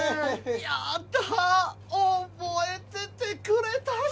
やだ覚えててくれたの？